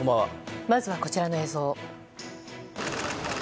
まずはこちらの映像。